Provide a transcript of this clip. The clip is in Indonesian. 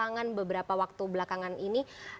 mungkin gustika dari perjalanannya selama ke dua tahun ini